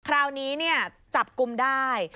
คราวนี้เนี่ยจับกุมได้